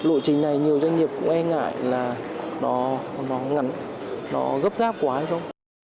lộ trình này nhiều doanh nghiệp cũng e ngại là nó ngắn nó gấp gáp quá hay không